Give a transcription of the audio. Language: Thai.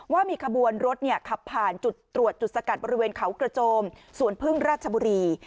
ว่ามีขบวนรถขับผ่านจุดตรวจจุดสกัดบริเวณเขากระโจมสวนพึ่งราชบุรี